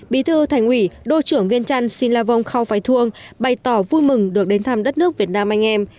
bí thư thành ủy đô trưởng viên trân xin la vong khau phai thương bày tỏ vui mừng được đến thăm đất nước việt nam anh em